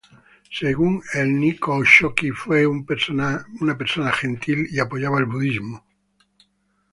Según el "Nihonshoki", fue una persona gentil y apoyaba el budismo.